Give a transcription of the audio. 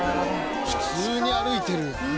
「普通に歩いてる」